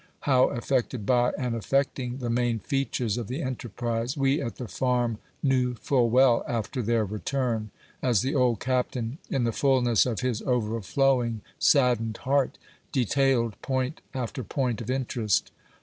How affected by, and affecting the main features of the enterprise, we at the Farn* knew full well after their return, as the old Captain, in the fullness of his overflowing, saddened heart, detailed, point af ter point of interest.